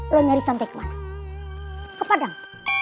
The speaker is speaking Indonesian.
lo nyari sampai kemana kepadang